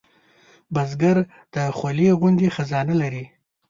بزګر د خولې غوندې خزانې لري